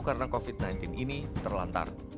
karena covid sembilan belas ini terlantar